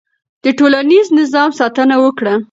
د ټولنیز نظم ساتنه وکړه.